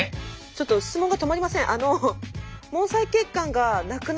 ちょっと質問が止まりません。